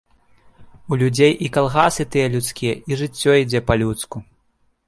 У людзей і калгасы тыя людскія і жыццё ідзе па-людску.